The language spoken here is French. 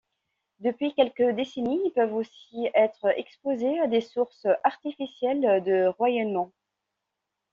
Depuis quelques décennies, ils peuvent aussi être exposés à des sources artificielles de rayonnement.